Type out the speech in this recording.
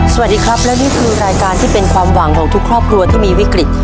สวัสดีครับและนี่คือรายการที่เป็นความหวังของทุกครอบครัวที่มีวิกฤต